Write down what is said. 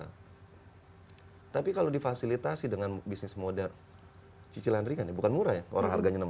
hai tapi kalau difasilitasi dengan bisnis modern cicilan ringan bukan murah orang harganya enam ratus